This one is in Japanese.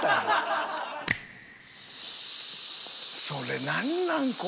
それなんなん？